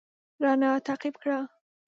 رڼا تعقيب کړه.